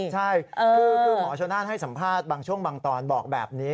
ใช่คือหมอชนนั่นให้สัมภาษณ์บางช่วงบางตอนบอกแบบนี้